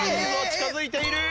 近づいている！